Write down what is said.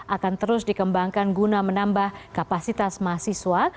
akan terus dikembangkan guna menambah kapasitas mahasiswa